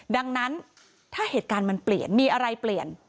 ดังนั้นถ้าเหตุการณ์มันเปลี่ยนมีอะไรเปลี่ยน